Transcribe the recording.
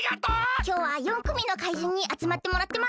きょうは４くみの怪人にあつまってもらってます。